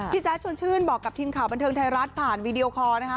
แจ๊ดชวนชื่นบอกกับทีมข่าวบันเทิงไทยรัฐผ่านวีดีโอคอร์นะคะ